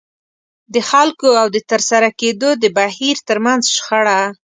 د خلکو او د ترسره کېدو د بهير ترمنځ شخړه.